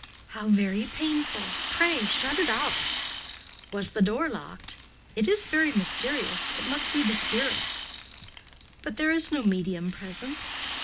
"How very painful! Pray shut it up." "Was the door locked? It is very mysterious. It must be the spirits." "But there is no medium present."